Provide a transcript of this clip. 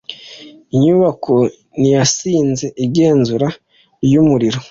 Inyubako ntiyatsinze igenzura ryumuriro.